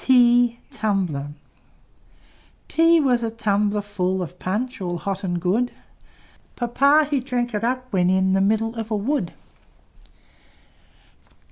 T T was a tumbler full Of Punch all hot and good; Papa he drank it up, when in The middle of a wood.